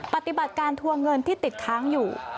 ปฏิบัติการทวงเงินที่ติดค้างอยู่